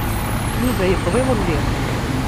Yuba yewweḍ iḍelli.